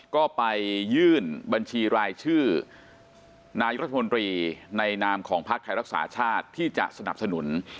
ก็ไปยื่นบัญชีรายชื่อนายรัฐมนตรีในนามของพักไทยรักษาชาติที่จะสนับสนุน